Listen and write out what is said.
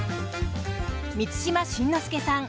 満島真之介さん